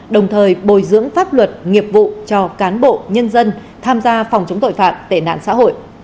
đồng thời bồi dưỡng pháp luật nghiệp vụ cho cán bộ nhân dân tham gia phòng chống tội phạm tệ nạn xã hội